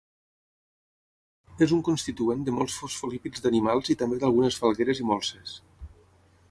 És un constituent de molts fosfolípids d'animals i també d'algunes falgueres i molses.